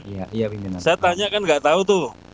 saya tanya kan nggak tahu tuh